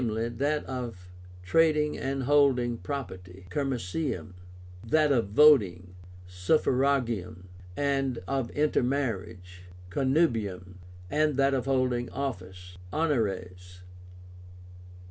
that of trading and holding property (COMMERCIUM); that of voting (SUFFRAGIUM); that of intermarriage (CONNUBIUM); and that of holding office (HONORES).